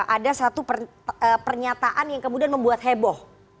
ada satu pernyataan yang kemudian membuat heboh